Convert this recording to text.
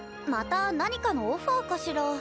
また何かのオファーかしら？